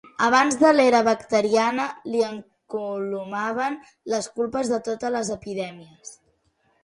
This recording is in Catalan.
Abans de l'era bacteriana li encolomaven les culpes de totes les epidèmies.